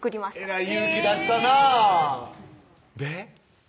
えらい勇気出したなぁで？